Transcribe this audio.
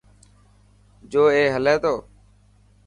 جو اي هلي تو.